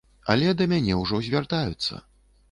Але да мяне ўжо звяртаюцца.